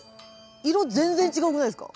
色全然違くないですか？